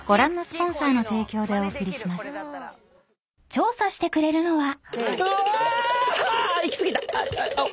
［調査してくれるのは］うわ！あっ行き過ぎた。